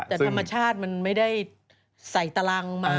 แต่ธรรมชาติมันไม่ได้ใส่ตารางมา